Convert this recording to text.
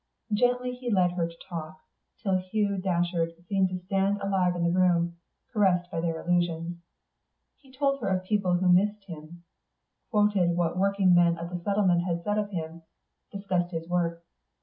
Gently he led her to talk, till Hugh Datcherd seemed to stand alive in the room, caressed by their allusions. He told her of people who missed him; quoted what working men of the Settlement had said of him; discussed his work.